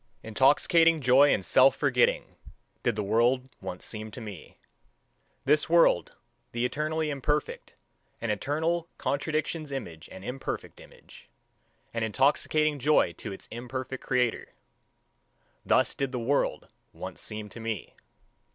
Intoxicating joy and self forgetting, did the world once seem to me. This world, the eternally imperfect, an eternal contradiction's image and imperfect image an intoxicating joy to its imperfect creator: thus did the world once seem to me.